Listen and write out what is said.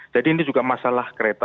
jadi ini juga masalah kereta